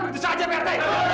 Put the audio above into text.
begitu saja pak rt